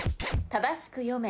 正しく読め。